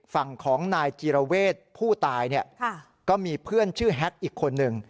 ฝั่งของนายจีรเวศผู้ตายเนี่ยก็มีเพื่อนชื่อแฮ็กอีกคนนึง